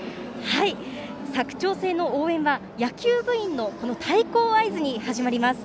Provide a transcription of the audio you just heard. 佐久長聖の応援は野球部員の太鼓の合図に始まります。